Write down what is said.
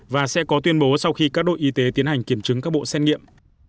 và sẽ có tuyên bố sau khi các đội y tế tiến hành kiểm chứng các bộ xét nghiệm